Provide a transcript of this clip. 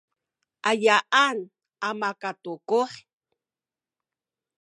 ayaan makatukuh?